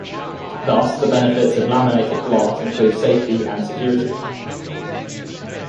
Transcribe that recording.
Thus, the benefits of laminated glass include safety and security.